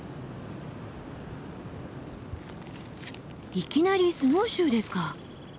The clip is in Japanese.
いきなりスノーシューですか。